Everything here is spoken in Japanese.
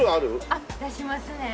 あっ出しますね。